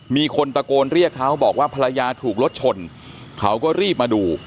มีคนตะโกนเรียกเขาบอกว่าภรรยาถูกรถชนเขาก็รีบมาดู